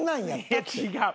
いや違う。